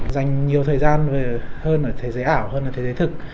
dành nhiều thời gian hơn ở thế giới ảo hơn ở thế giới thực